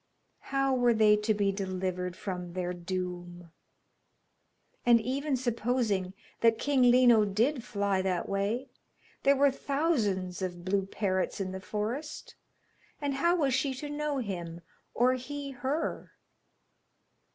How were they to be delivered from their doom? And even supposing that King Lino did fly that way, there were thousands of blue parrots in the forest, and how was she to know him, or he her?